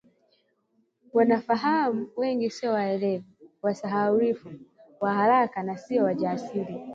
Wanafahamu wengi sio welevu, wasahaulifu wa haraka, na sio wajasiri